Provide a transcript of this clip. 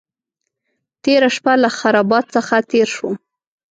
تېره شپه له خرابات څخه تېر شوم.